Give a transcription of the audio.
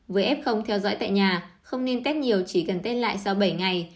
với f theo dõi tại nhà không nên test nhiều chỉ cần test lại sau bảy ngày